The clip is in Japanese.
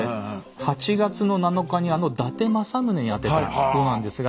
８月の７日にあの伊達政宗に宛てたものなんですが。